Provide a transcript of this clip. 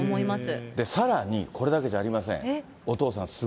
さらにこれだけじゃありません。